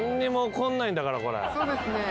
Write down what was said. そうですね。